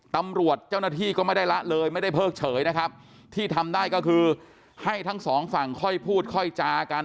ตำรวจเจ้าหน้าที่ก็ไม่ได้ละเลยไม่ได้เพิกเฉยนะครับที่ทำได้ก็คือให้ทั้งสองฝั่งค่อยพูดค่อยจากัน